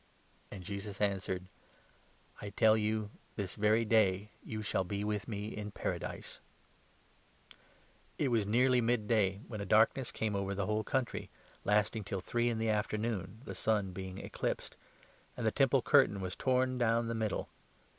And Jesus answered : 43 " I tell you, this very day you shall be with me in Paradise." The Death It was nearly mid day, when a darkness came 44 or Jesus. over the whole country, lasting till three in the afternoon, the sun being eclipsed ; and the Temple curtain was 45 torn down the middle.